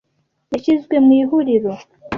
yashyizwe mu ihuriro